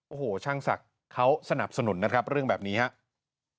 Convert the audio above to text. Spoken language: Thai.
โอ้โหช่างศักดิ์เขาสนับสนุนนะครับเรื่องแบบนี้ครับ